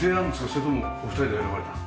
それともお二人で選ばれたの？